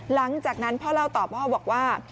หลังจากนั้นพ่อเล่าต่อพ่อบอกว่า